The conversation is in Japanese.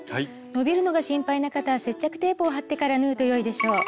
伸びるのが心配な方は接着テープを貼ってから縫うとよいでしょう。